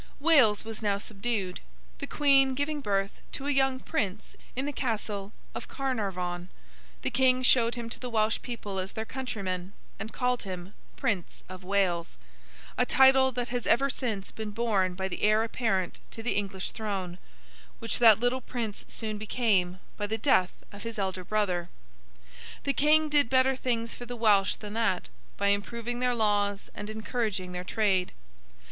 Wales was now subdued. The Queen giving birth to a young prince in the Castle of Carnarvon, the King showed him to the Welsh people as their countryman, and called him Prince of Wales; a title that has ever since been borne by the heir apparent to the English throne—which that little Prince soon became, by the death of his elder brother. The King did better things for the Welsh than that, by improving their laws and encouraging their trade.